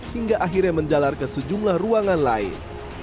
hingga akhirnya menjalar ke sejumlah ruangan lain